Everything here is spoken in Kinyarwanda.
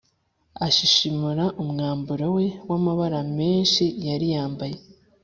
ashishimura umwambaro we w’amabara menshi yari yambaye